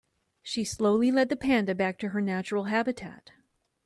She slowly led the panda back to her natural habitat.